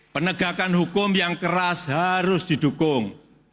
penegakan hukum yang keras harus didukung